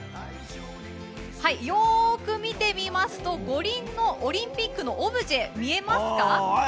よく見てみますと五輪のオリンピックのオブジェ、見えますか？